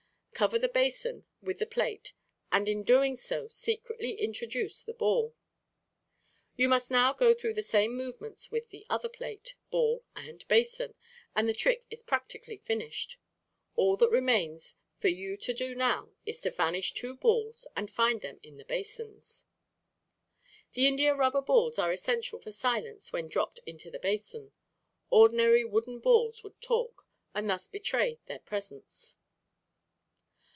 Cover the basin with the plate and in doing so secretly introduce the ball. You must now go through the same movements with the other plate, ball, and basin, and the trick is practically finished. All that remains for you to do now is to vanish two balls and find them in the basins. The India rubber balls are essential for silence when dropped into the basin. Ordinary wooden balls would "talk" and thus betray their presence.